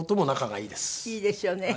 いいですよね。